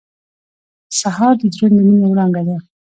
سهار د زړونو د مینې وړانګه ده.